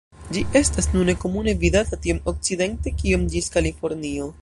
Ĝi estas nune komune vidata tiom okcidente kiom ĝis Kalifornio.